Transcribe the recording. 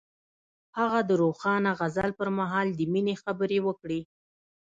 هغه د روښانه غزل پر مهال د مینې خبرې وکړې.